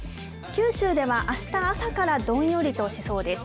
九州ではあした朝から、どんよりとしそうです。